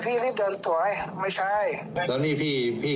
พี่จะรีบเข้าไปคุยกับพิธีดิสัยด้วยเพราะเขาจะล่ออือล่อใครพี่